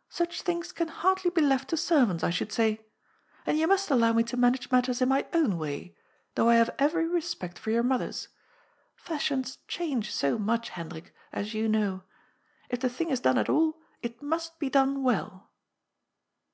"' Such things can hardly be left to servants, I should say. And you must allow me to manage matters in my own way, though I have every respect for your mother's. Fashions change so much, Hendrik, as you know. If the thing is done at all, it must be done well."